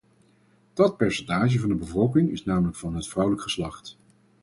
Dat percentage van de bevolking is namelijk van het vrouwelijk geslacht.